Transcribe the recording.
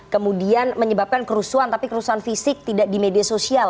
kemudian menyebabkan kerusuhan tapi kerusuhan fisik tidak di media sosial